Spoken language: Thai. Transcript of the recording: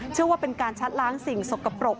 เชื่อว่าเป็นการชัดล้างสิ่งสกปรก